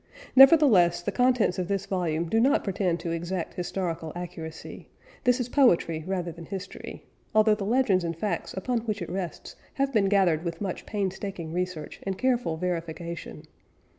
Nevertheless, the contents of this volume do not pretend to exact historical accuracy; this is poetry rather than history, although the legends and facts upon which it rests have been gathered with much painstaking research and careful verification.